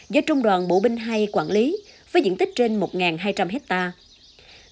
do trung đoàn bộ binh hai quản lý với diện tích trên một hai trăm linh hectare